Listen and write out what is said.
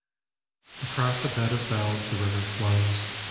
Across a bed of bells the river flows.